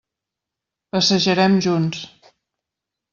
Passejarem junts.